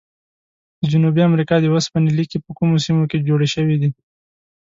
د جنوبي امریکا د اوسپنې لیکي په کومو سیمو کې جوړې شوي دي؟